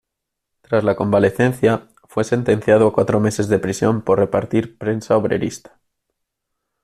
Tras la convalecencia, fue sentenciado a cuatro meses de prisión por repartir prensa obrerista.